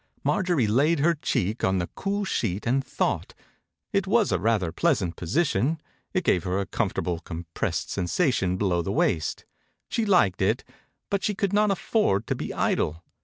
Marjorie laid her cheek on the cool sheet and thought. It was a rather pleasant position. It gave hera comfortablecompressed sen sation below the waist. She liked it but she could not afford to be idle.